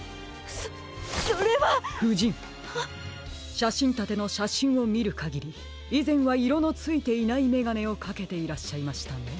しゃしんたてのしゃしんをみるかぎりいぜんはいろのついていないめがねをかけていらっしゃいましたね。